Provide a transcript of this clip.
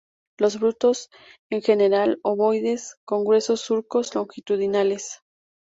Los frutos, en general, ovoides, con gruesos surcos longitudinales.